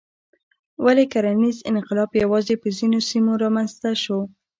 ولې کرنیز انقلاب یوازې په ځینو سیمو رامنځته شو؟